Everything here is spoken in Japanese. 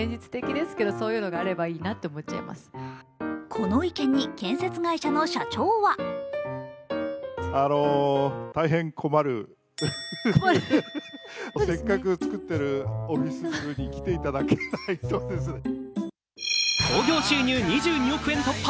この意見に建設会社の社長は興行収入２２億円突破。